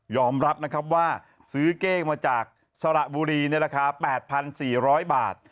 อมรับนะครับว่าซื้อเก้งมาจากสระบุรีในราคา๘๔๐๐บาท